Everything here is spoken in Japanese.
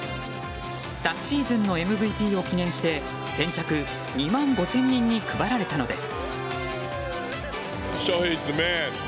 昨シーズンのＭＶＰを記念して先着２万５０００人に配られたのです。